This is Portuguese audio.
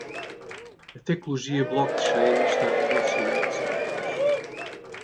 A tecnologia blockchain está revolucionando setores.